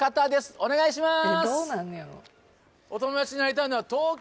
お願いします